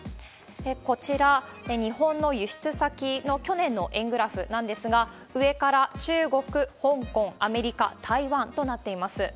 こちら、日本の輸出先の去年の円グラフなんですが、上から中国、香港、アメリカ、台湾となっています。